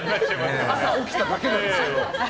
朝起きただけなんですけど。